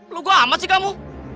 lo gua amat sih kamu